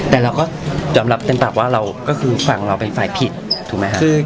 แต่เราก็ยอมรับเต็มปากว่าเราก็คือฝั่งเราเป็นฝ่ายผิดถูกไหมครับ